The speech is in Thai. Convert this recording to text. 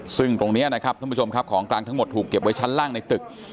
ซึ่งตรงนี้นะครับท่านผู้ชมครับของกลางทั้งหมดถูกเก็บไว้ชั้นล่างในตึก